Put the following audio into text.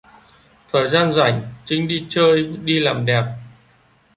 Thời gian rảnh Trinh đi chơi đi làm đẹp